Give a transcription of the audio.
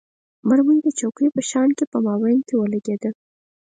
مرمۍ د چوکۍ په شا کې په مابین کې ولګېده.